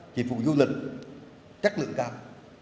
chỉ phụ du lịch chất lượng cao